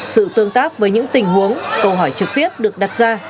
sự tương tác với những tình huống câu hỏi trực tiếp được đặt ra